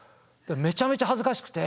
めちゃめちゃ恥ずかしくて。